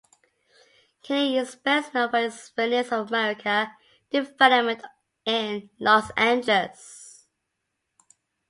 Kinney is best known for his "Venice of America" development in Los Angeles.